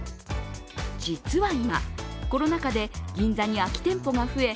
実は今、コロナ禍で銀座に空き店舗が増え